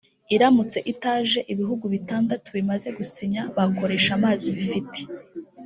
“Iramutse itaje ibihugu bitandatu bimaze gusinya bakoresha amazi bifite